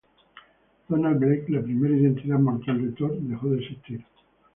Donald Blake, la primera identidad mortal de Thor, dejó de existir.